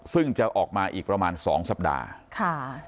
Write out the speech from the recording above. ซึ่งจะออกมาอีกประมาณสองสัปดาห์ค่ะ